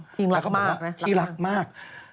ชีวิตรักมาก